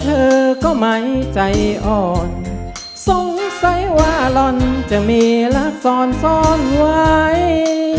เธอก็ไม่ใจอ่อนสงสัยว่าลอนจะมีรักซ้อนซ่อนไว้